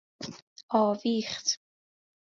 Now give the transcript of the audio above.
آویخت